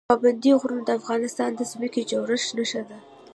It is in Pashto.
پابندي غرونه د افغانستان د ځمکې د جوړښت نښه ده.